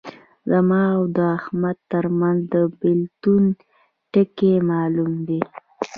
زما او د احمد ترمنځ د بېلتون ټکی معلوم دی.